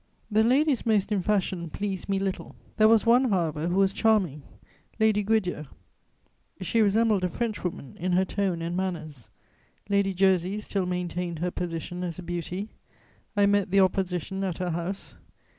The ladies most in fashion pleased me little; there was one, however, who was charming, Lady Gwydyr: she resembled a Frenchwoman in her tone and manners. Lady Jersey still maintained her position as a beauty. I met the Opposition at her house.